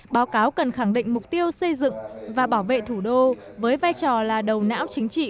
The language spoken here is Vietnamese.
báo cáo cần khẳng định mục tiêu xây dựng và bảo vệ thủ đô với vai trò là đầu não chính trị